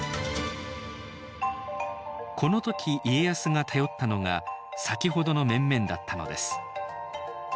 この時家康が頼ったのが先ほどの面々だったのです。